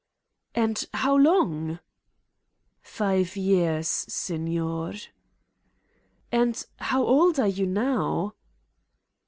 "And. . .how long?" "Five years, signer." "And how old are you now."